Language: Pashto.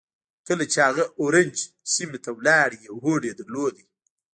کله چې هغه اورنج سيمې ته ولاړ يو هوډ يې درلود.